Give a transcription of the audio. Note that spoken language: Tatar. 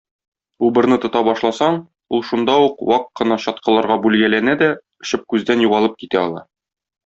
Убырны тота башласаң, ул шунда ук вак кына чаткыларга бүлгәләнә дә очып күздән югалып китә ала.